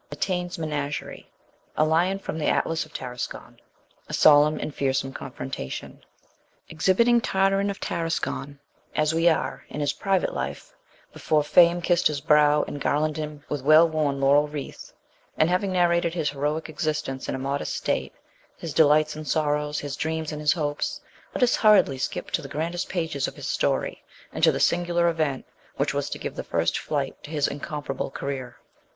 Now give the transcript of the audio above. Mitaine's Menagerie A Lion from the Atlas at Tarascon A Solemn and Fearsome Confrontation. EXHIBITING Tartarin of Tarascon, as we are, in his private life, before Fame kissed his brow and garlanded him with her well worn laurel wreath, and having narrated his heroic existence in a modest state, his delights and sorrows, his dreams and his hopes, let us hurriedly skip to the grandest pages of his story, and to the singular event which was to give the first flight to his incomparable career.